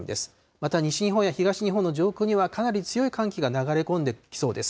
また西日本や東日本の上空にはかなり強い寒気が流れ込んできそうです。